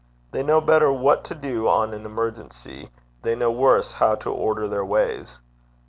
They know better what to do on an emergency; they know worse how to order their ways.